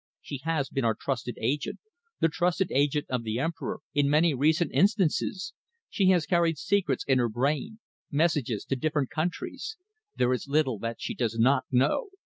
She has been our trusted agent, the trusted agent of the Emperor, in many recent instances. She has carried secrets in her brain, messages to different countries. There is little that she does not know.